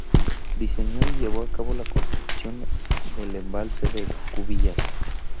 Diseñó y llevó a cabo la construcción del embalse de Cubillas.